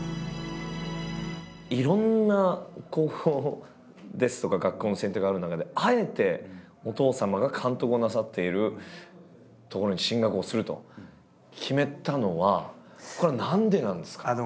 いろんな高校ですとか学校の選択がある中であえてお父様が監督をなさっている所に進学をすると決めたのはこれは何でなんですか？